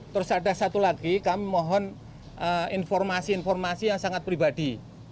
terus ada satu lagi kami mohon informasi informasi yang sangat pribadi